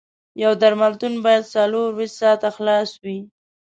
یو درملتون باید څلور ویشت ساعته خلاص وي